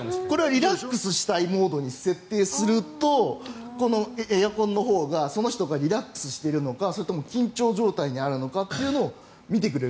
リラックスしたいモードにするとこのエアコンのほうがその人がリラックスしているのかそれとも緊張状態にあるのか見てくれる。